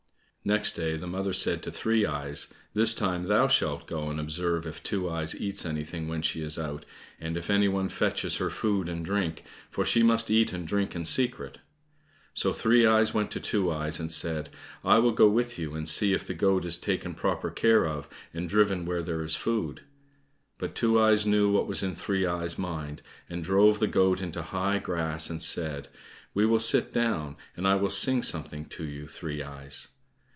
Next day the mother said to Three eyes, "This time thou shalt go and observe if Two eyes eats anything when she is out, and if any one fetches her food and drink, for she must eat and drink in secret." So Three eyes went to Two eyes, and said, "I will go with you and see if the goat is taken proper care of, and driven where there is food." But Two eyes knew what was in Three eyes' mind, and drove the goat into high grass and said, "We will sit down, and I will sing something to you, Three eyes."